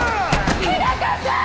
日高さん！